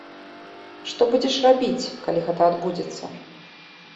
Што будзеш рабіць, калі гэта адбудзецца?